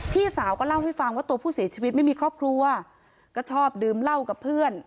พี่สาวก็เล่าให้ฟังว่าตัวผู้เสียชีวิตไม่มีครอบครัวก็ชอบดื่มเหล้ากับเพื่อน